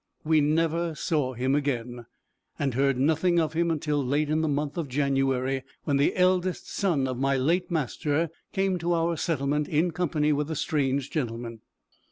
We never saw him again, and heard nothing of him until late in the month of January, when the eldest son of my late master came to our settlement in company with a strange gentleman.